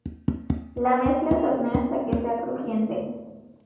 La mezcla se hornea hasta que sea crujiente.